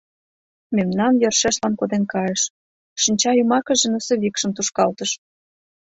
Мемнам йӧршешлан коден кайыш, — шинча йымакыже носовикшым тушкалтыш.